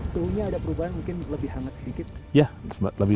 suhunya ada perubahan mungkin lebih hangat sedikit